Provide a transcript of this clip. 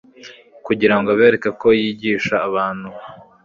kugira ngo abereko uko yigisha abantu.